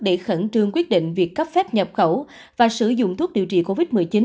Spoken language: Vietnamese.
để khẩn trương quyết định việc cấp phép nhập khẩu và sử dụng thuốc điều trị covid một mươi chín